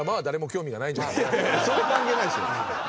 それ関係ないでしょ。